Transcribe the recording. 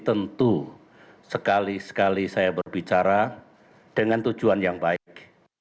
tentu sekali sekali saya berbicara dengan tujuan yang baik